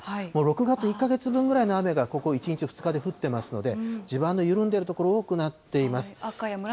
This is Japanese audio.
６月１か月分ぐらいの雨がここ１日、２日で降っていますので、地盤の緩んでいる所、多くなっています。